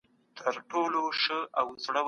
حکومتونه به د بشري حقونو ساتني ته پام کوي.